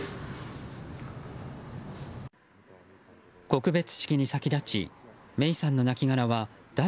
告別式に先立ち芽生さんの亡きがらはだ